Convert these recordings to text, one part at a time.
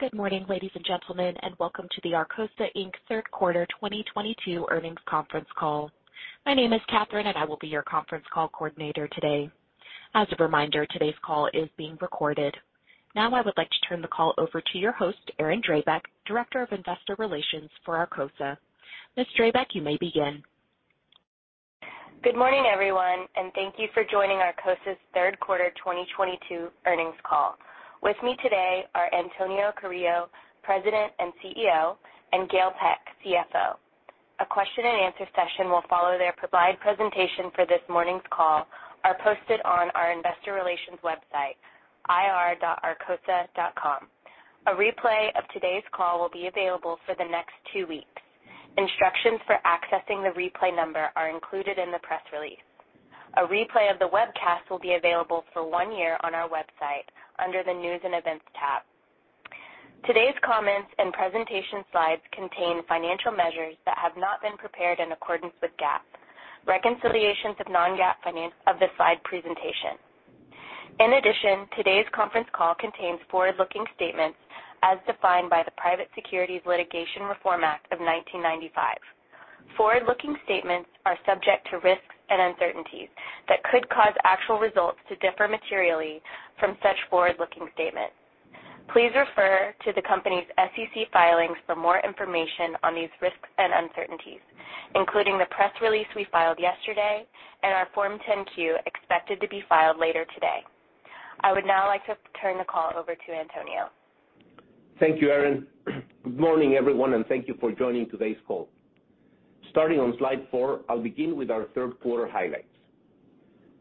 Good morning, ladies and gentlemen, and welcome to the Arcosa Inc. Third Quarter 2022 Earnings Conference Call. My name is Catherine, and I will be your conference call coordinator today. As a reminder, today's call is being recorded. Now I would like to turn the call over to your host, Erin Drabek, Director of Investor Relations for Arcosa. Ms. Drabek, you may begin. Good morning, everyone, and thank you for joining Arcosa's third quarter 2022 earnings call. With me today are Antonio Carrillo, President and CEO, and Gail Peck, CFO. A question and answer session will follow. The presentation for this morning's call is posted on our investor relations website, ir.arcosa.com. A replay of today's call will be available for the next two weeks. Instructions for accessing the replay number are included in the press release. A replay of the webcast will be available for one year on our website under the News and Events tab. Today's comments and presentation slides contain financial measures that have not been prepared in accordance with GAAP. Reconciliations of non-GAAP measures are included in this slide presentation. In addition, today's conference call contains forward-looking statements as defined by the Private Securities Litigation Reform Act of 1995. Forward-looking statements are subject to risks and uncertainties that could cause actual results to differ materially from such forward-looking statements. Please refer to the company's SEC filings for more information on these risks and uncertainties, including the press release we filed yesterday and our Form 10-Q expected to be filed later today. I would now like to turn the call over to Antonio. Thank you, Erin. Good morning, everyone, and thank you for joining today's call. Starting on slide 4, I'll begin with our third quarter highlights.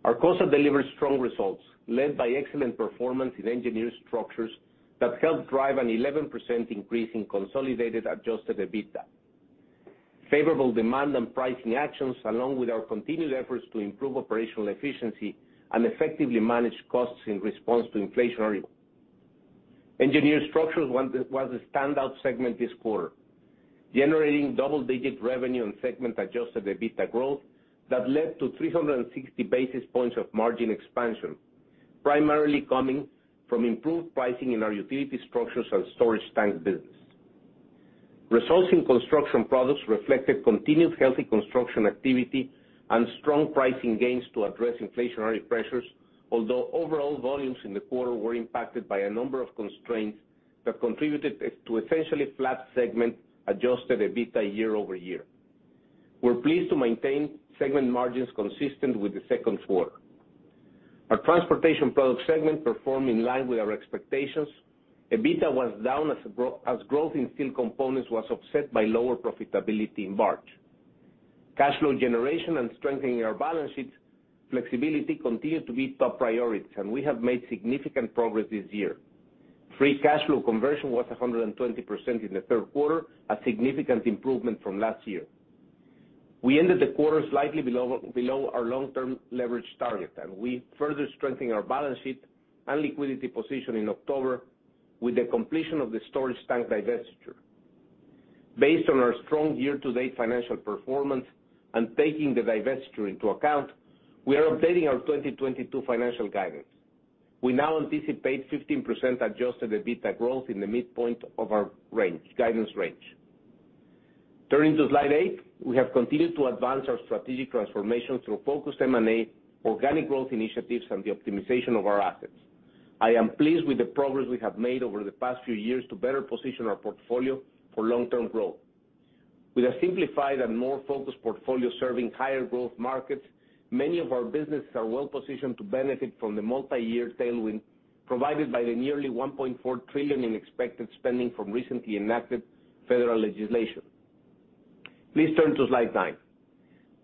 Arcosa delivered strong results led by excellent performance in Engineered Structures that helped drive an 11% increase in consolidated adjusted EBITDA, favorable demand and pricing actions, along with our continued efforts to improve operational efficiency and effectively manage costs in response to inflation. Engineered Structures was a standout segment this quarter, generating double-digit revenue and segment adjusted EBITDA growth that led to 360 basis points of margin expansion, primarily coming from improved pricing in our utility structures and storage tank business. Results in Construction Products reflected continued healthy construction activity and strong pricing gains to address inflationary pressures, although overall volumes in the quarter were impacted by a number of constraints that contributed to essentially flat segment adjusted EBITDA year-over-year. We're pleased to maintain segment margins consistent with the second quarter. Our Transportation Products segment performed in line with our expectations. EBITDA was down as growth in steel components was offset by lower profitability in barge. Cash flow generation and strengthening our balance sheet flexibility continued to be top priorities, and we have made significant progress this year. Free cash flow conversion was 120% in the third quarter, a significant improvement from last year. We ended the quarter slightly below our long-term leverage target, and we further strengthened our balance sheet and liquidity position in October with the completion of the storage tank divestiture. Based on our strong year-to-date financial performance and taking the divestiture into account, we are updating our 2022 financial guidance. We now anticipate 15% adjusted EBITDA growth in the midpoint of our range, guidance range. Turning to slide 8, we have continued to advance our strategic transformation through focused M&A, organic growth initiatives, and the optimization of our assets. I am pleased with the progress we have made over the past few years to better position our portfolio for long-term growth. With a simplified and more focused portfolio serving higher growth markets, many of our businesses are well positioned to benefit from the multi-year tailwind provided by the nearly $1.4 trillion in expected spending from recently enacted federal legislation. Please turn to slide 9.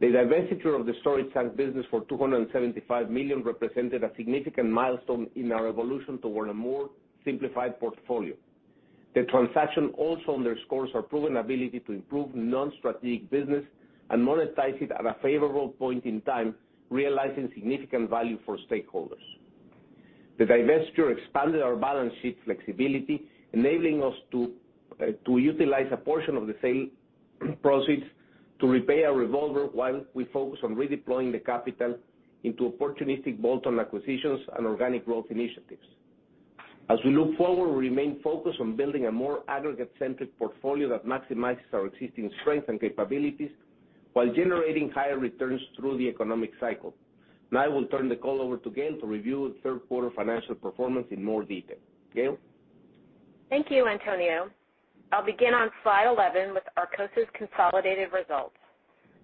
The divestiture of the storage tank business for $275 million represented a significant milestone in our evolution toward a more simplified portfolio. The transaction also underscores our proven ability to improve non-strategic business and monetize it at a favorable point in time, realizing significant value for stakeholders. The divestiture expanded our balance sheet flexibility, enabling us to to utilize a portion of the sale proceeds to repay our revolver while we focus on redeploying the capital into opportunistic bolt-on acquisitions and organic growth initiatives. As we look forward, we remain focused on building a more aggregate-centric portfolio that maximizes our existing strengths and capabilities while generating higher returns through the economic cycle. Now I will turn the call over to Gail to review third quarter financial performance in more detail. Gail? Thank you, Antonio. I'll begin on slide 11 with Arcosa's consolidated results.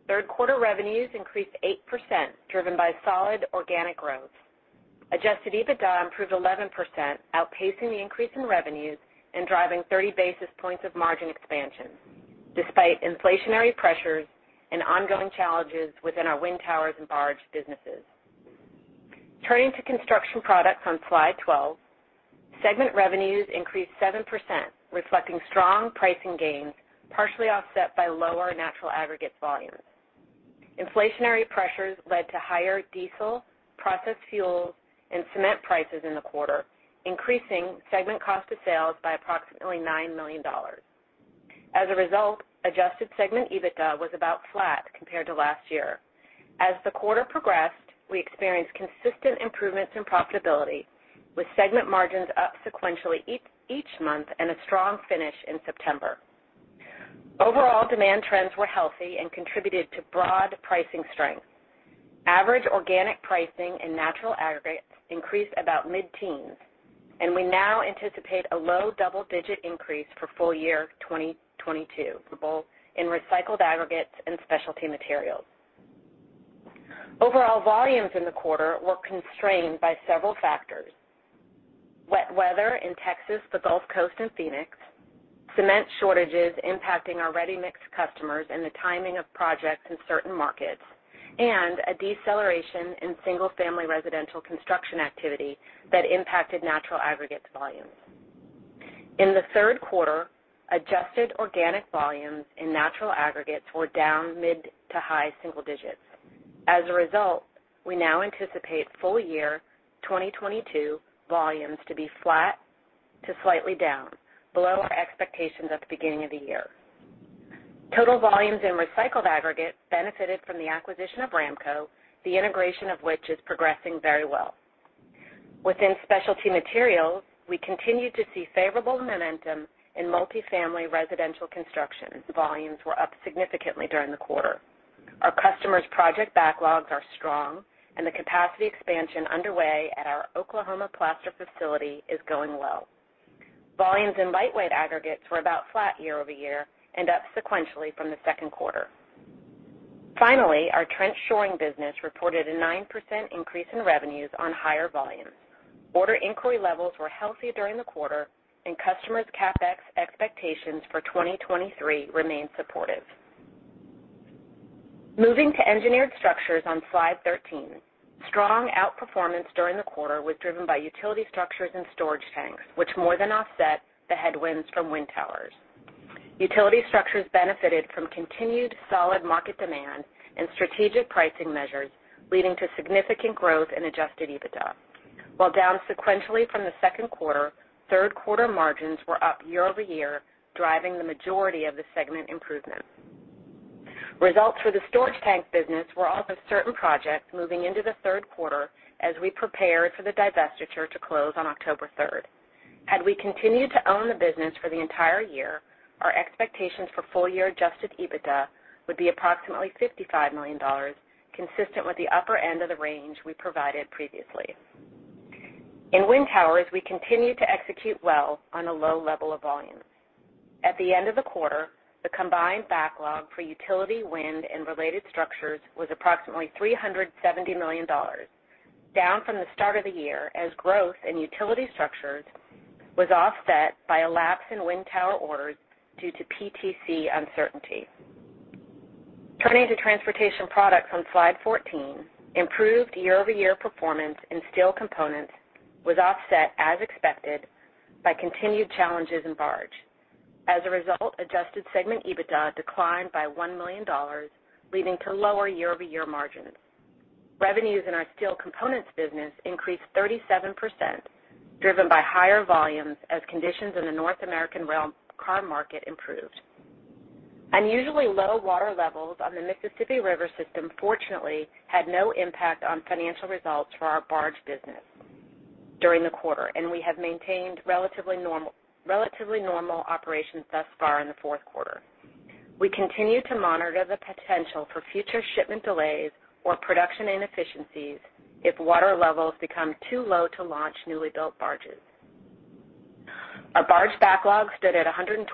Third quarter revenues increased 8%, driven by solid organic growth. Adjusted EBITDA improved 11%, outpacing the increase in revenues and driving 30 basis points of margin expansion despite inflationary pressures and ongoing challenges within our wind towers and barge businesses. Turning to Construction Products on slide 12, segment revenues increased 7%, reflecting strong pricing gains, partially offset by lower natural aggregates volumes. Inflationary pressures led to higher diesel, processed fuels, and cement prices in the quarter, increasing segment cost of sales by approximately $9 million. As a result, adjusted segment EBITDA was about flat compared to last year. As the quarter progressed, we experienced consistent improvements in profitability, with segment margins up sequentially each month and a strong finish in September. Overall demand trends were healthy and contributed to broad pricing strength. Average organic pricing in natural aggregates increased about mid-teens, and we now anticipate a low double-digit increase for full year 2022, both in recycled aggregates and specialty materials. Overall volumes in the quarter were constrained by several factors. Wet weather in Texas, the Gulf Coast, and Phoenix; cement shortages impacting our ready-mix customers, and the timing of projects in certain markets, and a deceleration in single-family residential construction activity that impacted natural aggregates volumes. In the third quarter, adjusted organic volumes in natural aggregates were down mid- to high-single digits. As a result, we now anticipate full year 2022 volumes to be flat to slightly down, below our expectations at the beginning of the year. Total volumes in recycled aggregates benefited from the acquisition of RAMCO, the integration of which is progressing very well. Within specialty materials, we continued to see favorable momentum in multi-family residential construction, as volumes were up significantly during the quarter. Our customers' project backlogs are strong and the capacity expansion underway at our Oklahoma plaster facility is going well. Volumes in lightweight aggregates were about flat year-over-year and up sequentially from the second quarter. Finally, our trench shoring business reported a 9% increase in revenues on higher volumes. Order inquiry levels were healthy during the quarter and customers' CapEx expectations for 2023 remain supportive. Moving to Engineered Structures on slide 13. Strong outperformance during the quarter was driven by utility structures and storage tanks, which more than offset the headwinds from wind towers. Utility structures benefited from continued solid market demand and strategic pricing measures, leading to significant growth in adjusted EBITDA. While down sequentially from the second quarter, third quarter margins were up year over year, driving the majority of the segment improvement. Results for the storage tank business were off of certain projects moving into the third quarter as we prepare for the divestiture to close on October third. Had we continued to own the business for the entire year, our expectations for full year adjusted EBITDA would be approximately $55 million, consistent with the upper end of the range we provided previously. In wind towers, we continued to execute well on a low level of volumes. At the end of the quarter, the combined backlog for utility, wind and related structures was approximately $370 million, down from the start of the year as growth in utility structures was offset by a lapse in wind tower orders due to PTC uncertainty. Turning to Transportation Products on slide 14, improved year-over-year performance in steel components was offset, as expected, by continued challenges in barge. As a result, adjusted segment EBITDA declined by $1 million, leading to lower year-over-year margins. Revenues in our steel components business increased 37%, driven by higher volumes as conditions in the North American railcar market improved. Unusually low water levels on the Mississippi River system fortunately had no impact on financial results for our barge business during the quarter, and we have maintained relatively normal operations thus far in the fourth quarter. We continue to monitor the potential for future shipment delays or production inefficiencies if water levels become too low to launch newly built barges. Our barge backlog stood at $129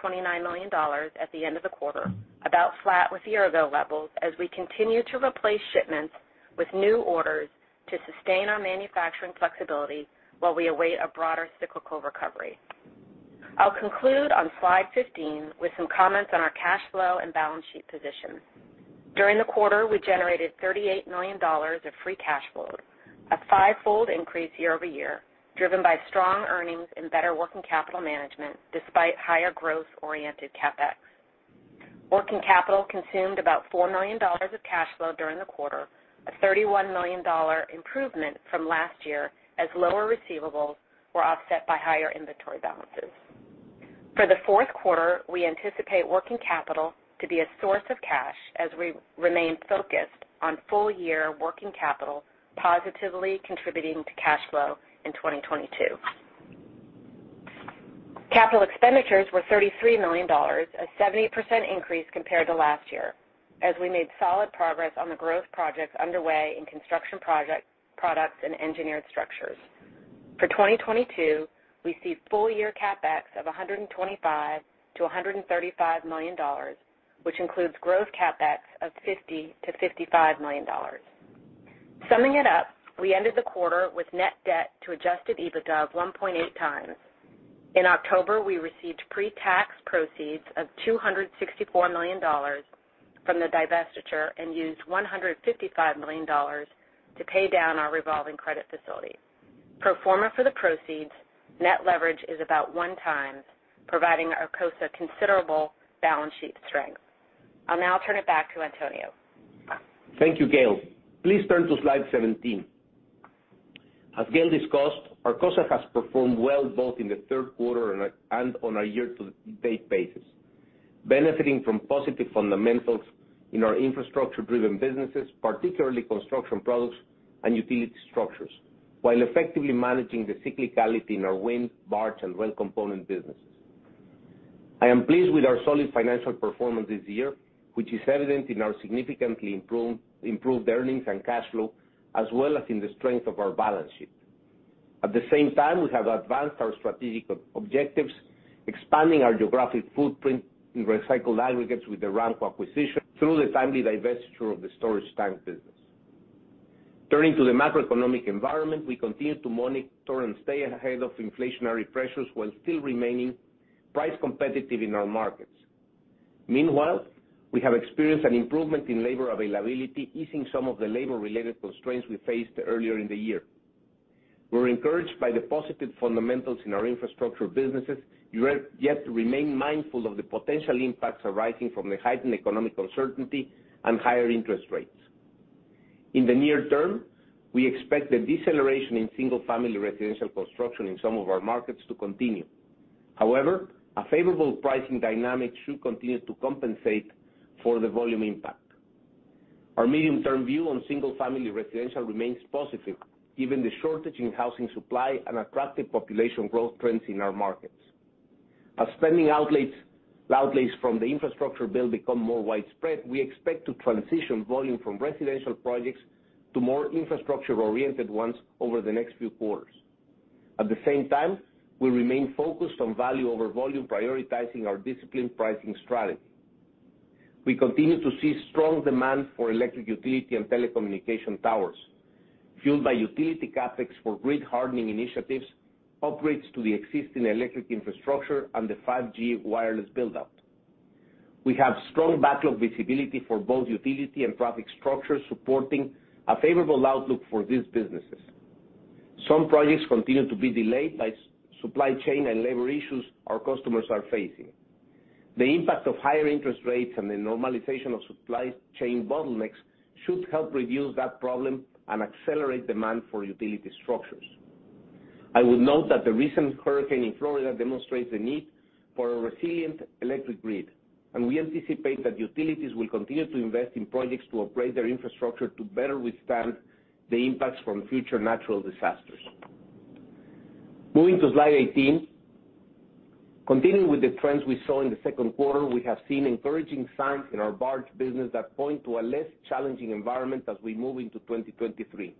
million at the end of the quarter, about flat with year-ago levels as we continue to replace shipments with new orders to sustain our manufacturing flexibility while we await a broader cyclical recovery. I'll conclude on slide 15 with some comments on our cash flow and balance sheet position. During the quarter, we generated $38 million of free cash flow, a five-fold increase year-over-year, driven by strong earnings and better working capital management despite higher growth-oriented CapEx. Working capital consumed about $4 million of cash flow during the quarter, a $31 million improvement from last year as lower receivables were offset by higher inventory balances. For the fourth quarter, we anticipate working capital to be a source of cash as we remain focused on full year working capital positively contributing to cash flow in 2022. Capital expenditures were $33.0 Million, a 70% increase compared to last year, as we made solid progress on the growth projects underway in Construction Products and Engineered Structures. For 2022, we see full year CapEx of $125 million to $135 million, which includes growth CapEx of $50 million to $55 million. Summing it up, we ended the quarter with net debt to adjusted EBITDA of 1.8x. In October, we received pre-tax proceeds of $264 million from the divestiture and used $155 million to pay down our revolving credit facility. Pro forma for the proceeds, net leverage is about 1.0x, providing Arcosa considerable balance sheet strength. I'll now turn it back to Antonio. Thank you, Gail. Please turn to slide 17. As Gail discussed, Arcosa has performed well both in the third quarter and on a year-to-date basis, benefiting from positive fundamentals in our infrastructure-driven businesses, particularly Construction Products and utility structures, while effectively managing the cyclicality in our wind, barge, and rail component businesses. I am pleased with our solid financial performance this year, which is evident in our significantly improved earnings and cash flow, as well as in the strength of our balance sheet. At the same time, we have advanced our strategic objectives, expanding our geographic footprint in recycled aggregates with the RAMCO acquisition through the timely divestiture of the storage tank business. Turning to the macroeconomic environment, we continue to monitor and stay ahead of inflationary pressures while still remaining price competitive in our markets. Meanwhile, we have experienced an improvement in labor availability, easing some of the labor-related constraints we faced earlier in the year. We're encouraged by the positive fundamentals in our infrastructure businesses, yet remain mindful of the potential impacts arising from the heightened economic uncertainty and higher interest rates. In the near term, we expect the deceleration in single-family residential construction in some of our markets to continue. However, a favorable pricing dynamic should continue to compensate for the volume impact. Our medium-term view on single-family residential remains positive given the shortage in housing supply and attractive population growth trends in our markets. As spending outlays from the infrastructure bill become more widespread, we expect to transition volume from residential projects to more infrastructure-oriented ones over the next few quarters. At the same time, we remain focused on value over volume, prioritizing our disciplined pricing strategy. We continue to see strong demand for electric utility and telecommunication towers, fueled by utility CapEx for grid hardening initiatives, upgrades to the existing electric infrastructure, and the 5G wireless build-out. We have strong backlog visibility for both utility and traffic structures supporting a favorable outlook for these businesses. Some projects continue to be delayed by supply chain and labor issues our customers are facing. The impact of higher interest rates and the normalization of supply chain bottlenecks should help reduce that problem and accelerate demand for utility structures. I would note that the recent hurricane in Florida demonstrates the need for a resilient electric grid, and we anticipate that utilities will continue to invest in projects to upgrade their infrastructure to better withstand the impacts from future natural disasters. Moving to slide 18. Continuing with the trends we saw in the second quarter, we have seen encouraging signs in our barge business that point to a less challenging environment as we move into 2023.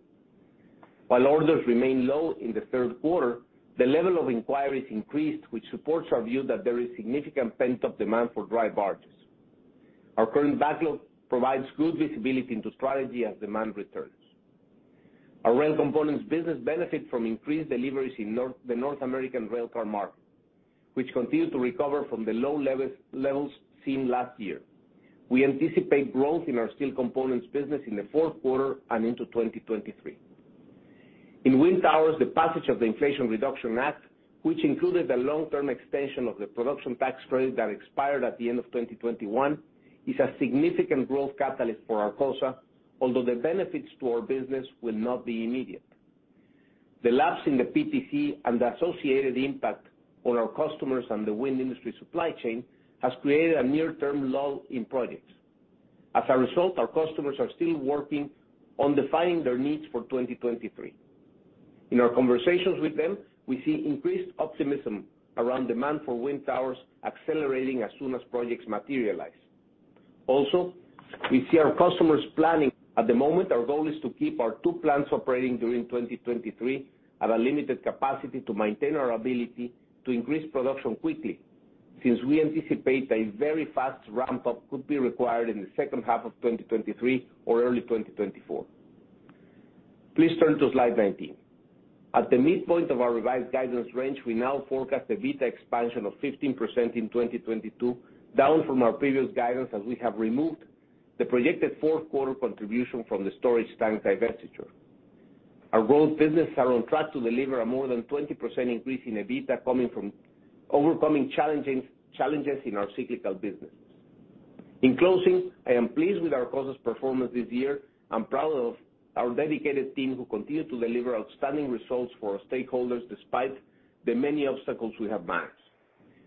While orders remain low in the third quarter, the level of inquiries increased, which supports our view that there is significant pent-up demand for dry barges. Our current backlog provides good visibility into strategy as demand returns. Our rail components business benefit from increased deliveries in North American railcar market, which continue to recover from the low levels seen last year. We anticipate growth in our steel components business in the fourth quarter and into 2023. In wind towers, the passage of the Inflation Reduction Act, which included the long-term extension of the production tax credit that expired at the end of 2021, is a significant growth catalyst for Arcosa, although the benefits to our business will not be immediate. The lapse in the PTC and the associated impact on our customers and the wind industry supply chain has created a near-term lull in projects. As a result, our customers are still working on defining their needs for 2023. In our conversations with them, we see increased optimism around demand for wind towers accelerating as soon as projects materialize. Also, we see our customers planning. At the moment, our goal is to keep our two plants operating during 2023 at a limited capacity to maintain our ability to increase production quickly since we anticipate a very fast ramp-up could be required in the second half of 2023 or early 2024. Please turn to slide 19. At the midpoint of our revised guidance range, we now forecast an EBITDA expansion of 15% in 2022, down from our previous guidance as we have removed the projected fourth quarter contribution from the storage tank divestiture. Our growth businesses are on track to deliver a more than 20% increase in EBITDA coming from overcoming challenges in our cyclical businesses. In closing, I am pleased with Arcosa's performance this year. I'm proud of our dedicated team who continue to deliver outstanding results for our stakeholders despite the many obstacles we have managed.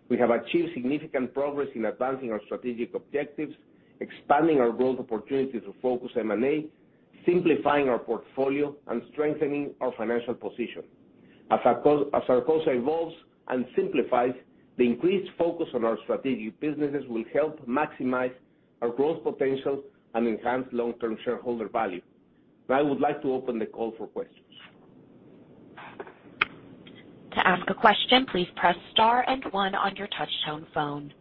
We have achieved significant progress in advancing our strategic objectives, expanding our growth opportunities through focused M&A, simplifying our portfolio, and strengthening our financial position. As Arcosa evolves and simplifies, the increased focus on our strategic businesses will help maximize our growth potential and enhance long-term shareholder value. Now I would like to open the call for questions. To ask a question, please press star and one on your touchtone phone.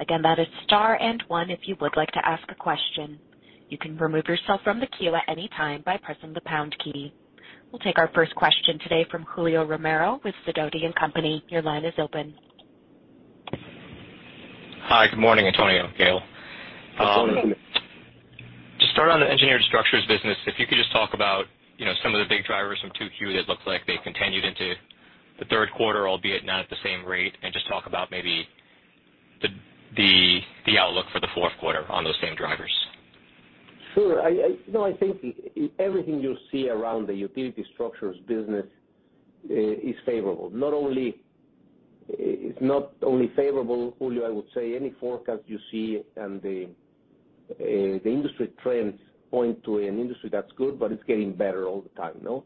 Again, that is star and one if you would like to ask a question. You can remove yourself from the queue at any time by pressing the pound key. We'll take our first question today from Julio Romero with Sidoti & Company. Your line is open. Good morning. To start on the Engineered Structures business, if you could just talk about, you know, some of the big drivers from 2Q that looks like they continued into the third quarter, albeit not at the same rate, and just talk about maybe On those same drivers. Sure. I think everything you see around the utility structures business is favorable. Not only, it's not only favorable, Julio. I would say any forecast you see and the industry trends point to an industry that's good, but it's getting better all the time, no?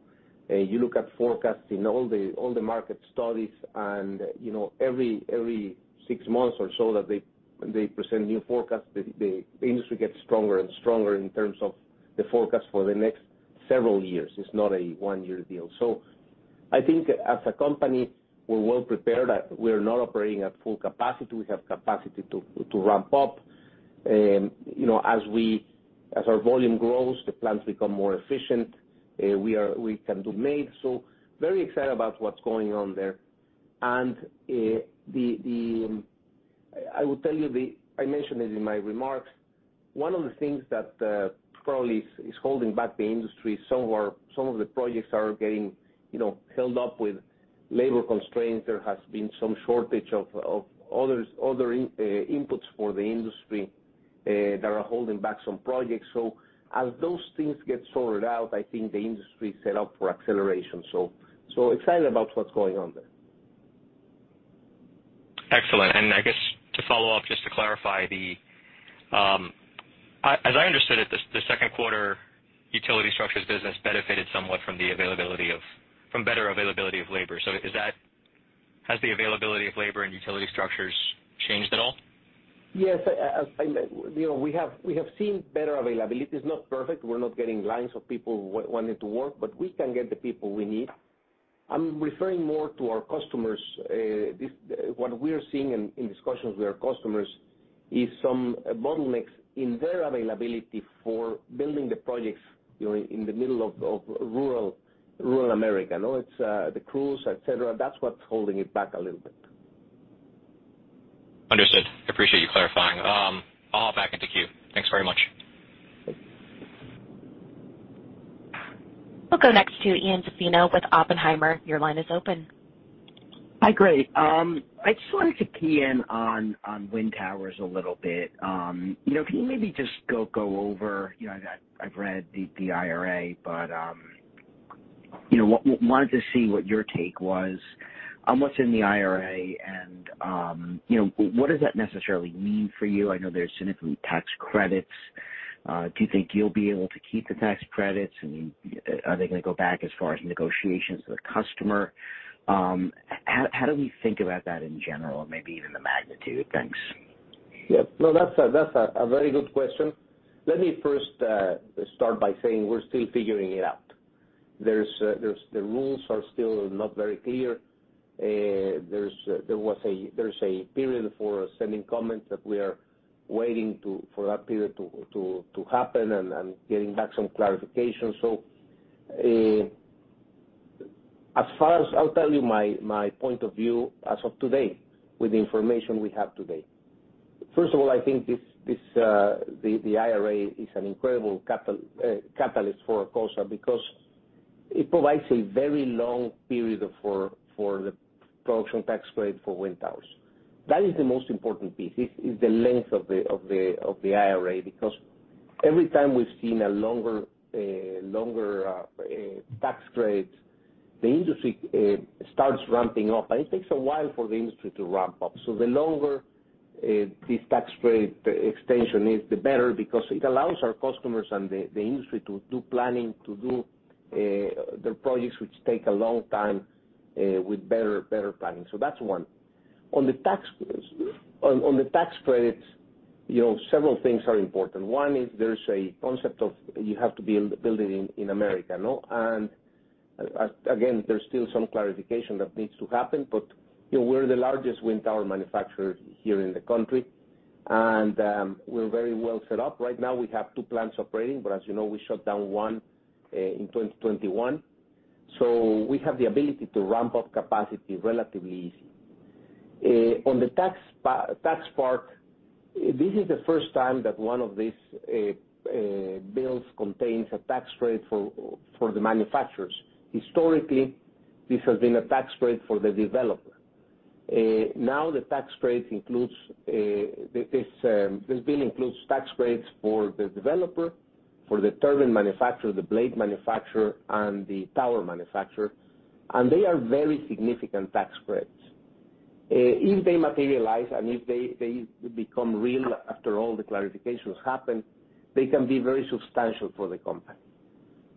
You look at forecasts in all the market studies and, you know, every six months or so that they present new forecasts, the industry gets stronger and stronger in terms of the forecast for the next several years. It's not a one-year deal. I think as a company, we're well prepared. We're not operating at full capacity. We have capacity to ramp up. You know, as our volume grows, the plants become more efficient. We can do more. Very excited about what's going on there. I will tell you I mentioned it in my remarks. One of the things that probably is holding back the industry, some of the projects are getting, you know, held up with labor constraints. There has been some shortage of other inputs for the industry that are holding back some projects. As those things get sorted out, I think the industry is set up for acceleration. Excited about what's going on there. Excellent. I guess to follow up, just to clarify, as I understood it, the second quarter utility structures business benefited somewhat from better availability of labor. Has the availability of labor and utility structures changed at all? Yes. You know, we have seen better availability. It's not perfect. We're not getting lines of people wanting to work, but we can get the people we need. I'm referring more to our customers. What we are seeing in discussions with our customers is some bottlenecks in their availability for building the projects, you know, in the middle of rural America, you know. It's the crews, et cetera. That's what's holding it back a little bit. Understood. I appreciate you clarifying. I'll hop back in the queue. Thanks very much. We'll go next to Ian Zaffino with Oppenheimer. Your line is open. Hi, great. I just wanted to key in on wind towers a little bit. You know, can you maybe just go over, you know, I've read the IRA, but, you know, wanted to see what your take was on what's in the IRA and, you know, what does that necessarily mean for you? I know there's significant tax credits. Do you think you'll be able to keep the tax credits? Are they gonna go back as far as negotiations with customer? How do we think about that in general, maybe even the magnitude? Thanks. Yeah. No, that's a very good question. Let me first start by saying we're still figuring it out. The rules are still not very clear. There's a period for sending comments that we are waiting for that period to happen and getting back some clarification. So, as far as I'll tell you my point of view as of today with the information we have today. First of all, I think this the IRA is an incredible catalyst for Arcosa because it provides a very long period for the production tax credit for wind towers. That is the most important piece, is the length of the IRA. Because every time we've seen a longer tax credit, the industry starts ramping up, and it takes a while for the industry to ramp up. The longer this tax credit extension is, the better because it allows our customers and the industry to do planning, to do their projects, which take a long time with better planning. That's one. On the tax credits, you know, several things are important. One is there's a concept of you have to build it in America, no? Again, there's still some clarification that needs to happen, but, you know, we're the largest wind tower manufacturer here in the country, and we're very well set up. Right now, we have two plants operating, but as you know, we shut down one in 2021. We have the ability to ramp up capacity relatively easy. On the tax part, this is the first time that one of these bills contains a tax rate for the manufacturers. Historically, this has been a tax rate for the developer. Now this bill includes tax rates for the developer, for the turbine manufacturer, the blade manufacturer, and the tower manufacturer. They are very significant tax credits. If they materialize and if they become real after all the clarifications happen, they can be very substantial for the company.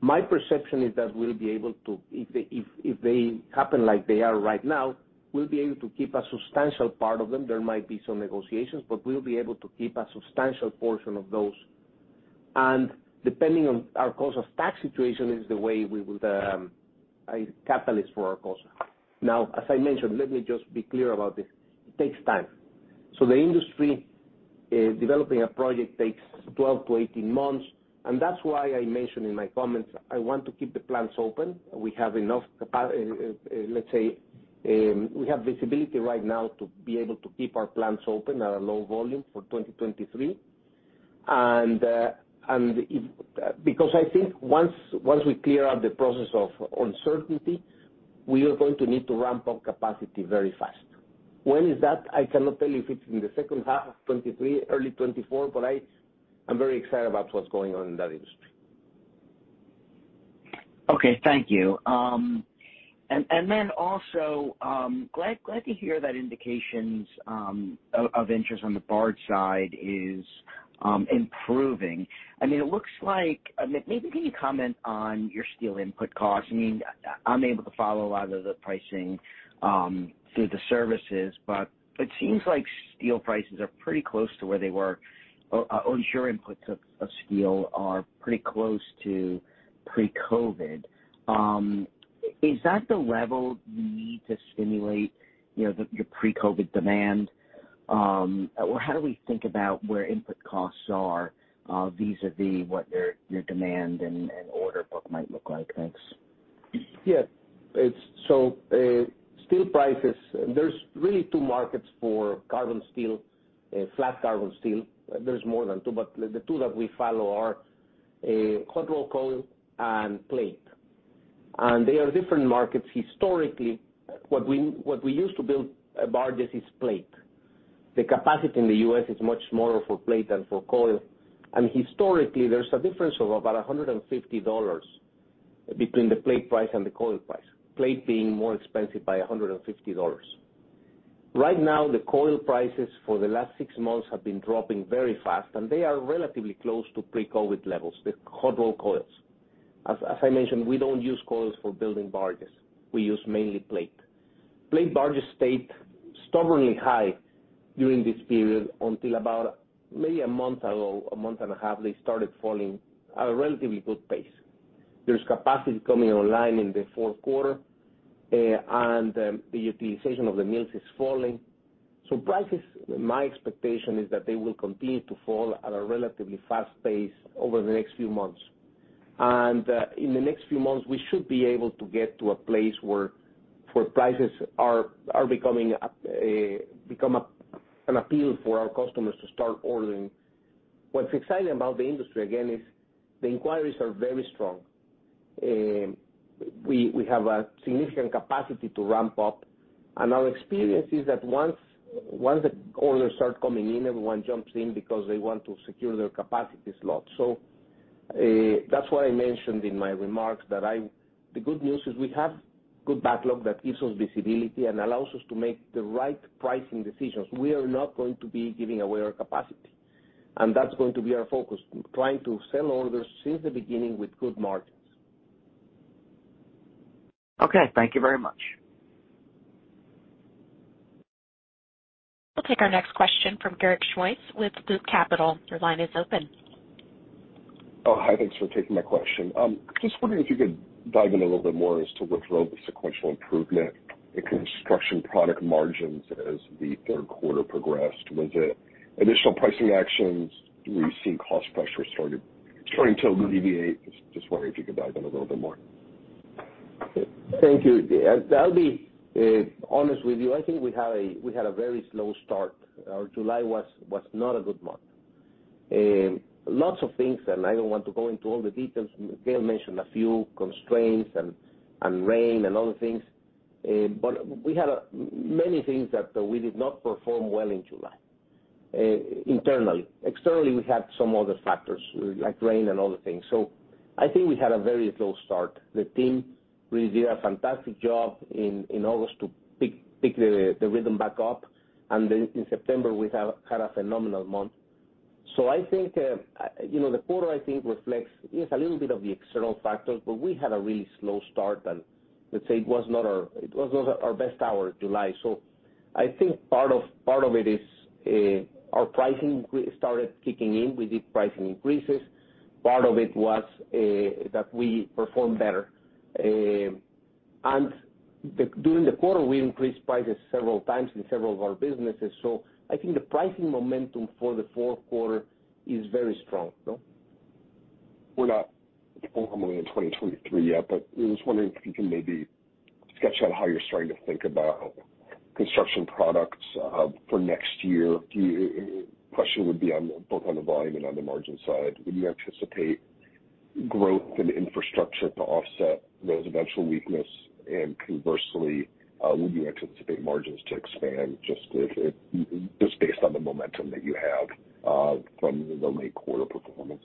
My perception is that we'll be able to if they happen like they are right now, we'll be able to keep a substantial part of them. There might be some negotiations, but we'll be able to keep a substantial portion of those. Depending on our cost or tax situation is the way we would a catalyst for our cost. Now, as I mentioned, let me just be clear about this. It takes time. The industry developing a project takes 12 to 18 months, and that's why I mentioned in my comments, I want to keep the plants open. We have enough visibility right now to be able to keep our plants open at a low volume for 2023. Because I think once we clear up the process of uncertainty, we are going to need to ramp up capacity very fast. When is that? I cannot tell you if it's in the second half of 2023, early 2024, but I'm very excited about what's going on in that industry. Okay. Thank you. And then also, glad to hear that indications of interest on the barge side is improving. I mean, it looks like, I mean, maybe can you comment on your steel input costs? I mean, I'm able to follow a lot of the pricing through the services, but it seems like steel prices are pretty close to where they were, or your inputs of steel are pretty close to pre-COVID. Is that the level you need to stimulate, you know, your pre-COVID demand? Or how do we think about where input costs are vis-à-vis your demand and order book might look like? Thanks. Yeah. Steel prices, there's really two markets for carbon steel, flat carbon steel. There's more than two, but the two that we follow are hot-rolled coil and plate. They are different markets historically. What we use to build barges is plate. The capacity in the U.S. is much smaller for plate than for coil. Historically, there's a difference of about $150 between the plate price and the coil price, plate being more expensive by $150. Right now, the coil prices for the last six months have been dropping very fast, and they are relatively close to pre-COVID levels, the hot-rolled coils. As I mentioned, we don't use coils for building barges. We use mainly plate. Plate barges stayed stubbornly high during this period until about maybe a month ago, a month and a half, they started falling at a relatively good pace. There's capacity coming online in the fourth quarter, and the utilization of the mills is falling. Prices, my expectation is that they will continue to fall at a relatively fast pace over the next few months. In the next few months, we should be able to get to a place where prices become appealing for our customers to start ordering. What's exciting about the industry, again, is the inquiries are very strong. We have a significant capacity to ramp up, and our experience is that once the orders start coming in, everyone jumps in because they want to secure their capacity slot. That's why I mentioned in my remarks that the good news is we have good backlog that gives us visibility and allows us to make the right pricing decisions. We are not going to be giving away our capacity. That's going to be our focus, trying to sell orders since the beginning with good margins. Okay. Thank you very much. We'll take our next question from Garik Shmois with Loop Capital. Your line is open. Oh, hi. Thanks for taking my question. Just wondering if you could dive in a little bit more as to what drove the sequential improvement in construction product margins as the third quarter progressed. Was it additional pricing actions? Do we see cost pressure starting to alleviate? Just wondering if you could dive in a little bit more. Thank you. I'll be honest with you. I think we had a very slow start. Our July was not a good month. Lots of things, and I don't want to go into all the details. Gail mentioned a few constraints and rain and other things. We had many things that we did not perform well in July, internally. Externally, we had some other factors, like rain and other things. I think we had a very slow start. The team really did a fantastic job in August to pick the rhythm back up. Then in September, we have had a phenomenal month. I think, you know, the quarter I think reflects, yes, a little bit of the external factors, but we had a really slow start, and let's say it was not our best hour, July. I think part of it is our pricing started kicking in. We did pricing increases. Part of it was that we performed better. During the quarter, we increased prices several times in several of our businesses. I think the pricing momentum for the fourth quarter is very strong. No? We're not fully in 2023 yet, but I was wondering if you can maybe sketch out how you're starting to think about Construction Products for next year. Question would be on both the volume and the margin side. Would you anticipate growth in infrastructure to offset residential weakness? Conversely, would you anticipate margins to expand just based on the momentum that you have from the late quarter performance?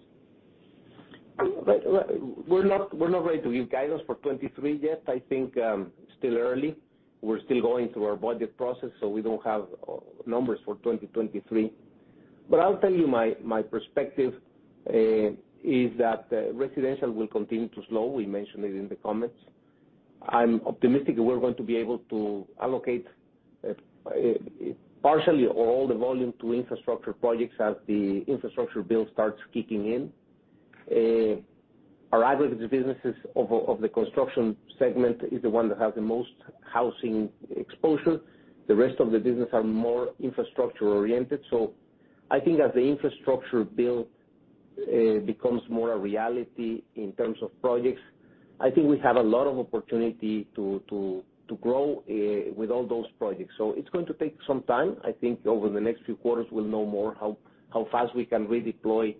We're not ready to give guidance for 2023 yet. I think still early. We're still going through our budget process, so we don't have numbers for 2023. I'll tell you my perspective is that residential will continue to slow. We mentioned it in the comments. I'm optimistic that we're going to be able to allocate partially all the volume to infrastructure projects as the infrastructure bill starts kicking in. Our aggregate businesses of the construction segment is the one that has the most housing exposure. The rest of the business are more infrastructure oriented. I think as the infrastructure bill becomes more a reality in terms of projects. I think we have a lot of opportunity to grow with all those projects. It's going to take some time. I think over the next few quarters, we'll know more how fast we can redeploy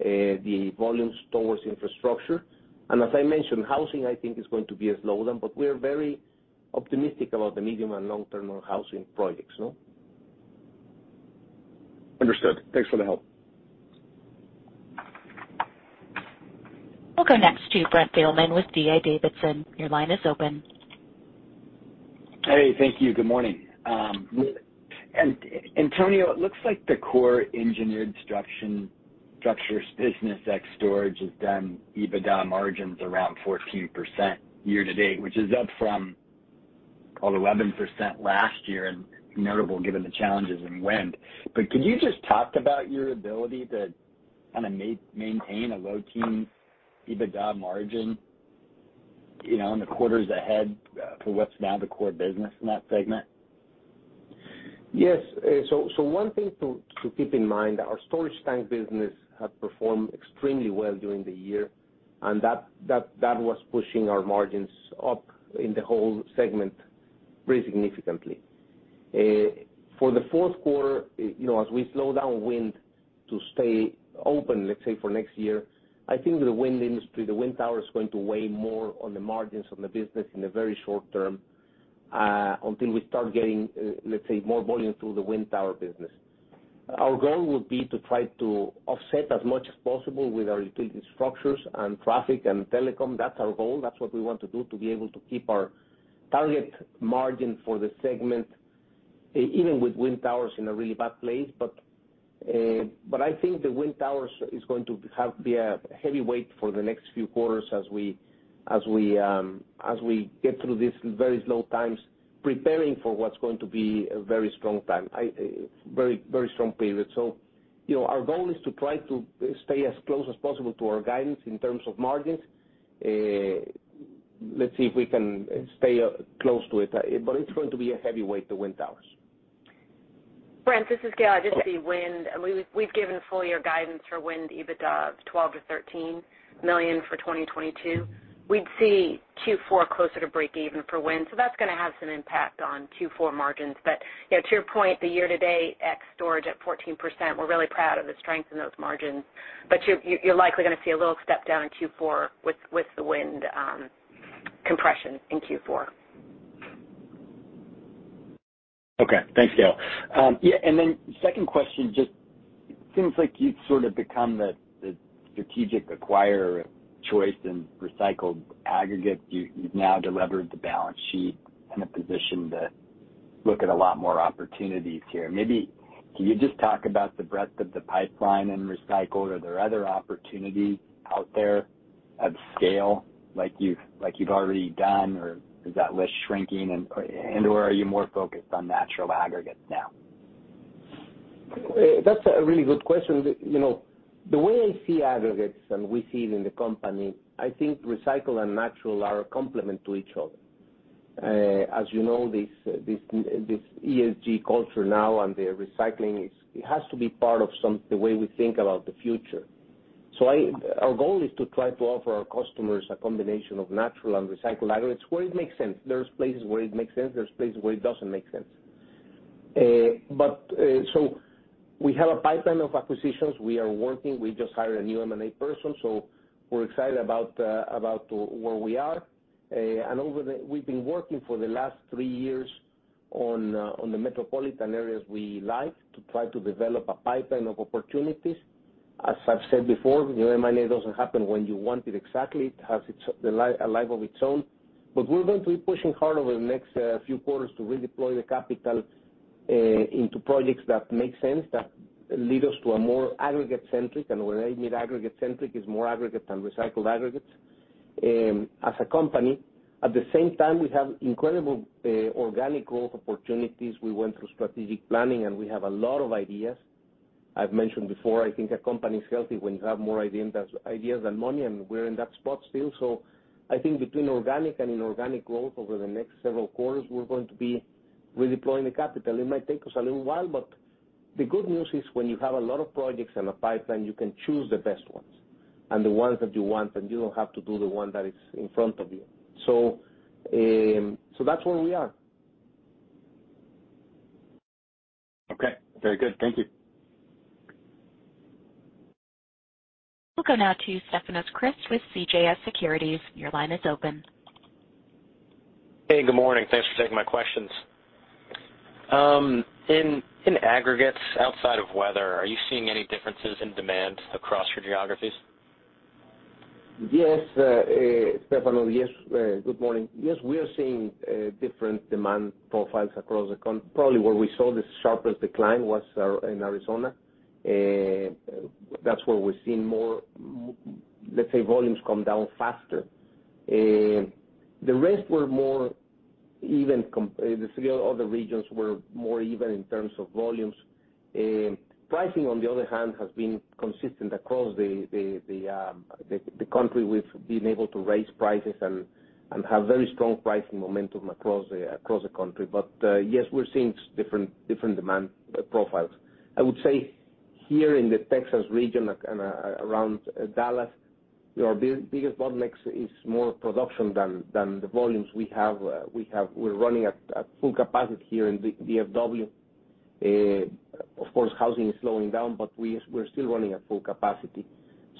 the volumes towards infrastructure. As I mentioned, housing, I think is going to be a slow one, but we are very optimistic about the medium and long-term on housing projects, you know. Understood. Thanks for the help. We'll go next to Brent Thielman with D.A. Davidson. Your line is open. Hey, thank you. Good morning. Antonio, it looks like the core Engineered Structures business ex storage has done EBITDA margins around 14% year to date, which is up from, called 11% last year and notable given the challenges in wind. Could you just talk about your ability to kinda maintain a low-teen EBITDA margin, you know, in the quarters ahead for what's now the core business in that segment? Yes. One thing to keep in mind, our storage tank business have performed extremely well during the year, and that was pushing our margins up in the whole segment pretty significantly. For the fourth quarter, you know, as we slow down, wind towers stay open, let's say for next year, I think the wind industry, the wind tower is going to weigh more on the margins of the business in the very short term, until we start getting, let's say, more volume through the wind tower business. Our goal would be to try to offset as much as possible with our utility structures and traffic and telecom. That's our goal. That's what we want to do to be able to keep our target margin for the segment, even with wind towers in a really bad place. I think the wind towers is going to have to be a headwind for the next few quarters as we get through these very slow times preparing for what's going to be a very strong time. Very strong period. You know, our goal is to try to stay as close as possible to our guidance in terms of margins. Let's see if we can stay close to it, but it's going to be a headwind, the wind towers. Brent, this is Gail. Just the wind. We've given full year guidance for wind EBITDA of $12 million to $13 million for 2022. We'd see Q4 closer to breakeven for wind, so that's gonna have some impact on Q4 margins. You know, to your point, the year to date ex storage at 14%, we're really proud of the strength in those margins. You're likely gonna see a little step down in Q4 with the wind compression in Q4. Okay. Thanks, Gail. Yeah. Second question, just seems like you've sort of become the strategic acquirer of choice in recycled aggregate. You've now delevered the balance sheet in a position to look at a lot more opportunities here. Maybe can you just talk about the breadth of the pipeline in recycled? Are there other opportunities out there at scale like you've already done, or is that list shrinking or are you more focused on natural aggregates now? That's a really good question. You know, the way I see aggregates and we see it in the company, I think recycled and natural are a complement to each other. As you know, this ESG culture now and the recycling, it has to be part of the way we think about the future. Our goal is to try to offer our customers a combination of natural and recycled aggregates where it makes sense. There's places where it makes sense, there's places where it doesn't make sense. We have a pipeline of acquisitions. We are working. We just hired a new M&A person, so we're excited about where we are. We've been working for the last three years on the metropolitan areas we like to try to develop a pipeline of opportunities. As I've said before, M&A doesn't happen when you want it exactly. It has a life of its own. We're going to be pushing hard over the next few quarters to redeploy the capital into projects that make sense, that lead us to a more aggregate-centric. When I mean aggregate-centric, it's more aggregate and recycled aggregates as a company. At the same time, we have incredible organic growth opportunities. We went through strategic planning, and we have a lot of ideas. I've mentioned before, I think a company's healthy when you have more ideas than money, and we're in that spot still. I think between organic and inorganic growth over the next several quarters, we're going to be redeploying the capital. It might take us a little while, but the good news is when you have a lot of projects in a pipeline, you can choose the best ones and the ones that you want, and you don't have to do the one that is in front of you. That's where we are. Okay. Very good. Thank you. We'll go now to Stefanos Crist with CJS Securities. Your line is open. Hey, good morning. Thanks for taking my questions. In aggregates, outside of weather, are you seeing any differences in demand across your geographies? Yes, Stefanos. Good morning. Yes, we are seeing different demand profiles across the country. Probably where we saw the sharpest decline was ours in Arizona. That's where we're seeing more, let's say volumes come down faster. The rest were more even. The three other regions were more even in terms of volumes. Pricing on the other hand has been consistent across the country. We've been able to raise prices and have very strong pricing momentum across the country. Yes, we're seeing different demand profiles. I would say here in the Texas region and around Dallas, our biggest bottleneck is more production than the volumes we have. We're running at full capacity here in DFW. Of course, housing is slowing down, but we're still running at full capacity.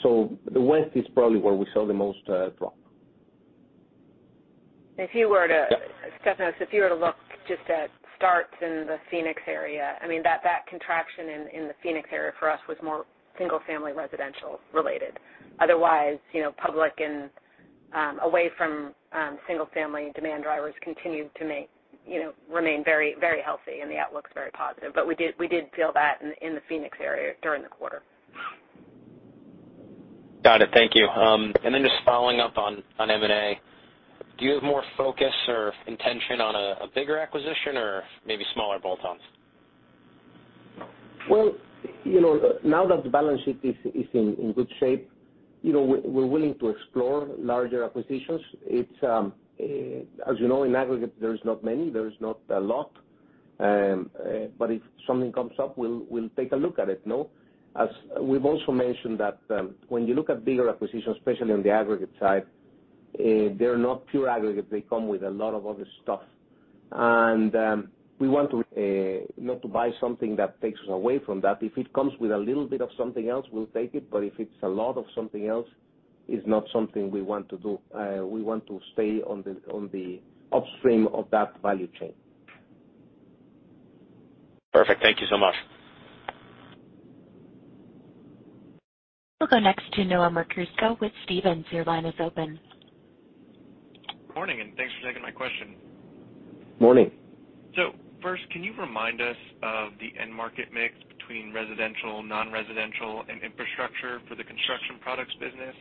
The West is probably where we saw the most drop. Stefanos, if you were to look just at starts in the Phoenix area, I mean that contraction in the Phoenix area for us was more single-family residential related. Otherwise, you know, public and away from single-family demand drivers continued to, you know, remain very, very healthy and the outlook's very positive. We did feel that in the Phoenix area during the quarter. Got it. Thank you. Just following up on M&A. Do you have more focus or intention on a bigger acquisition or maybe smaller bolt-ons? Well, you know, now that the balance sheet is in good shape, you know, we're willing to explore larger acquisitions. It's as you know, in aggregate, there is not a lot. But if something comes up, we'll take a look at it, no? As we've also mentioned that, when you look at bigger acquisitions, especially on the aggregate side, they're not pure aggregate. They come with a lot of other stuff. We want to not to buy something that takes us away from that. If it comes with a little bit of something else, we'll take it. If it's a lot of something else, it's not something we want to do. We want to stay on the upstream of that value chain. Perfect. Thank you so much. We'll go next to Noah Merkousko with Stephens. Your line is open. Morning, and thanks for taking my question. Morning. First, can you remind us of the end market mix between residential, non-residential, and infrastructure for the Construction Products business?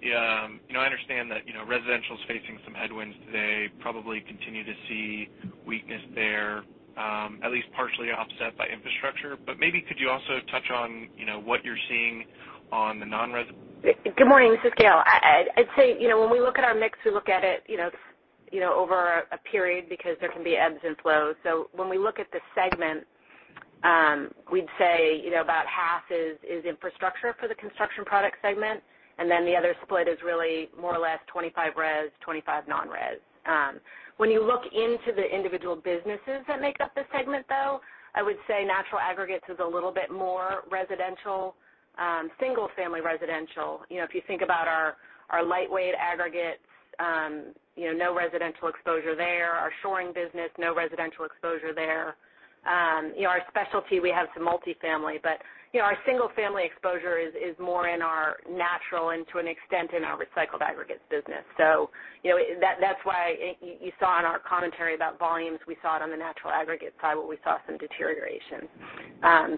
You know, I understand that, you know, residential is facing some headwinds today, probably continue to see weakness there, at least partially offset by infrastructure. Maybe could you also touch on, you know, what you're seeing on the non-residential? Good morning. This is Gail. I'd say, you know, when we look at our mix, we look at it, you know, over a period because there can be ebbs and flows. When we look at the segment, we'd say, you know, about half is infrastructure for the construction product segment. The other split is really more or less 25 res, 25 non-res. When you look into the individual businesses that make up the segment, though, I would say natural aggregates is a little bit more residential, single-family residential. You know, if you think about our lightweight aggregates, you know, no residential exposure there. Our shoring business, no residential exposure there. You know, our specialty, we have some multifamily, but, you know, our single-family exposure is more in our natural and to an extent in our recycled aggregates business. You know, that's why you saw in our commentary about volumes, we saw it on the natural aggregates side where we saw some deterioration.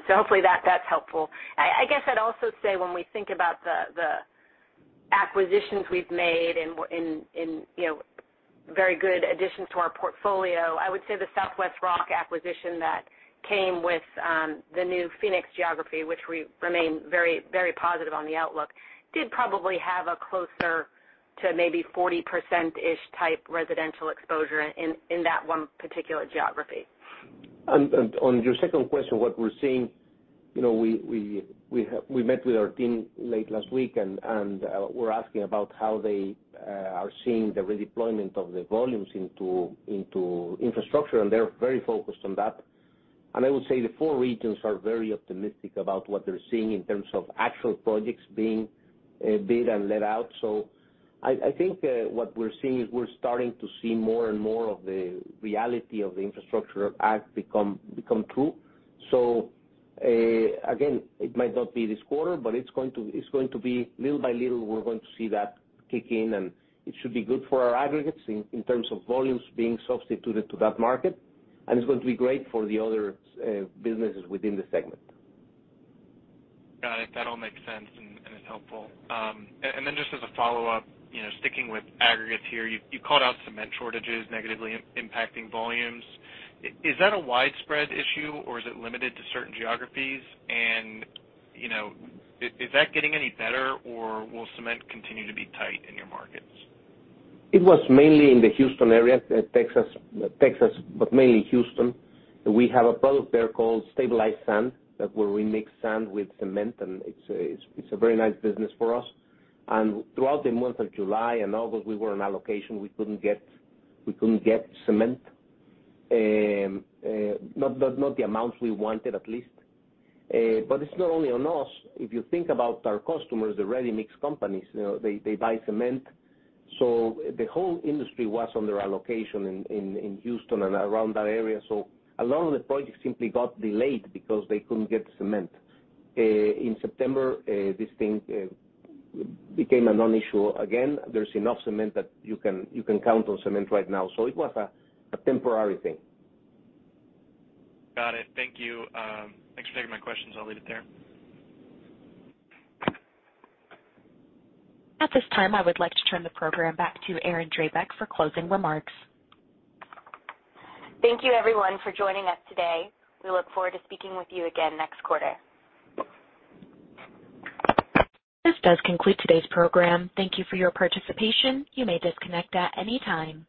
Hopefully that's helpful. I guess I'd also say when we think about the acquisitions we've made and in, you know, very good additions to our portfolio, I would say the Southwest Rock acquisition that came with the new Phoenix geography, which we remain very, very positive on the outlook, did probably have a closer to maybe 40%-ish type residential exposure in that one particular geography. On your second question, what we're seeing, you know, we met with our team late last week and we're asking about how they are seeing the redeployment of the volumes into infrastructure, and they're very focused on that. I would say the four regions are very optimistic about what they're seeing in terms of actual projects being bid and let out. I think what we're seeing is we're starting to see more and more of the reality of the Infrastructure Act become true. Again, it might not be this quarter, but it's going to be little by little, we're going to see that kick in, and it should be good for our aggregates in terms of volumes being substituted to that market. It's going to be great for the other businesses within the segment. Got it. That all makes sense and is helpful. Then just as a follow-up, you know, sticking with aggregates here. You called out cement shortages negatively impacting volumes. Is that a widespread issue or is it limited to certain geographies? You know, is that getting any better or will cement continue to be tight in your markets? It was mainly in the Houston area, Texas, but mainly Houston. We have a product there called stabilized sand. That where we mix sand with cement, and it's a very nice business for us. Throughout the month of July and August, we were on allocation. We couldn't get cement, not the amount we wanted, at least. It's not only on us. If you think about our customers, the ready mix companies, you know, they buy cement. The whole industry was under allocation in Houston and around that area. A lot of the projects simply got delayed because they couldn't get cement. In September, this thing became a non-issue again. There's enough cement that you can count on cement right now, so it was a temporary thing. Got it. Thank you. Thanks for taking my questions. I'll leave it there. At this time, I would like to turn the program back to Erin Drabek for closing remarks. Thank you everyone for joining us today. We look forward to speaking with you again next quarter. This does conclude today's program. Thank you for your participation. You may disconnect at any time.